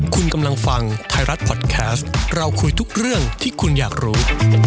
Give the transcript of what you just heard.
คุณกำลังฟังไทยรัฐพอดแคสต์เราคุยทุกเรื่องที่คุณอยากรู้